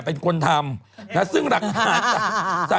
คุณหมอโดนกระช่าคุณหมอโดนกระช่า